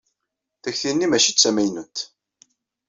Takti-nni mačči d tamaynut.